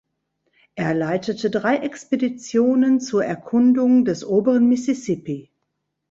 Er leitete drei Expeditionen zur Erkundung des Oberen Mississippi.